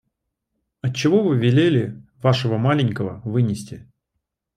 Отчего вы велели вашего маленького вынести?